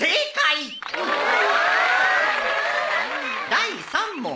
第３問！